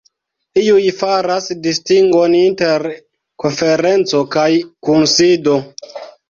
Iuj faras distingon inter konferenco kaj kunsido.